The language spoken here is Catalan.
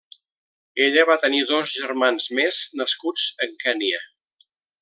Ella va tenir dos germans més nascuts en Kenya.